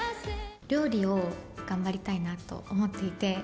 料理を頑張りたいなと思っていて。